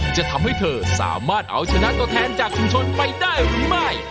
จะทำให้เธอสามารถเอาชนะตัวแทนจากชุมชนไปได้หรือไม่